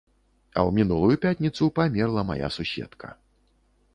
А ў мінулую пятніцу памерла мая суседка.